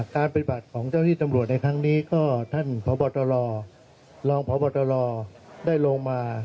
ปฏิบัติของเจ้าที่ตำรวจในครั้งนี้ก็ท่านพบตรรองพบตรได้ลงมา